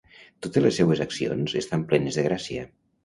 Totes les seues accions estan plenes de gràcia;